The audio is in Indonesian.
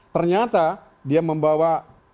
ternyata dia membawa